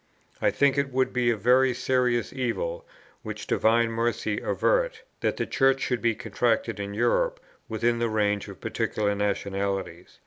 I think it would be a very serious evil, which Divine Mercy avert! that the Church should be contracted in Europe within the range of particular nationalities.